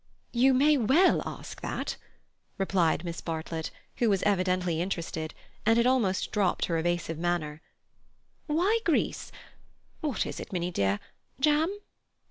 "You may well ask that," replied Miss Bartlett, who was evidently interested, and had almost dropped her evasive manner. "Why Greece? (What is it, Minnie dear—jam?)